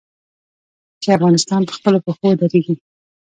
چې افغانستان په خپلو پښو ودریږي.